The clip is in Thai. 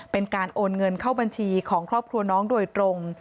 เป็นการโอนเงินเข้าบัญชีของครอบครัวน้องโดยตรง